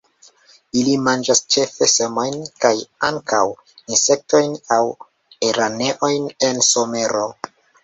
Ili manĝas ĉefe semojn, kaj ankaŭ insektojn aŭ araneojn en somero.